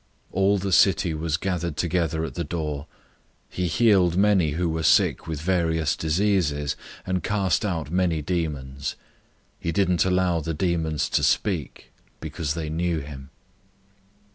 001:033 All the city was gathered together at the door. 001:034 He healed many who were sick with various diseases, and cast out many demons. He didn't allow the demons to speak, because they knew him.